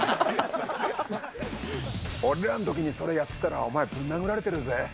俺らのときにそれやってたら、お前ぶん殴られてるぜ。